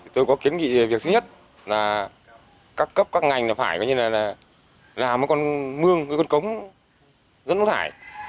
tôi có kiến nghị việc thứ nhất là các cấp các ngành phải làm một con mương một con cống dẫn nước thải